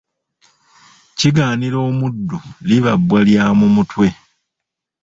Kigaanira omuddu liba bbwa lya mu mutwe.